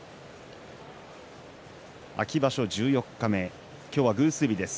秋場所十四日目今日は偶数日です。